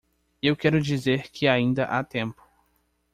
Eu quero dizer que ainda há tempo.